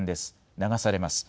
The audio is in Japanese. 流されます。